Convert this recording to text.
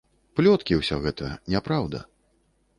Плёткі ўсё гэта, няпраўда.